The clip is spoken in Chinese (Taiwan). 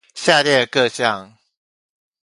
下列各項